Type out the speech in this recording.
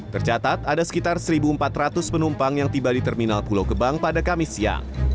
tercatat ada sekitar satu empat ratus penumpang yang tiba di terminal pulau gebang pada kamis siang